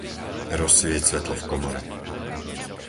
Rozsvieť svetlo v komore.